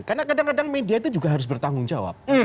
karena kadang kadang media itu juga harus bertanggung jawab